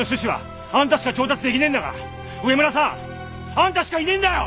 あんたしかいねえんだよ！